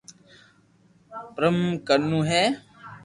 پرم ڪنو ھي